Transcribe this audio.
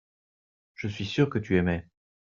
je suis sûr que tu aimais.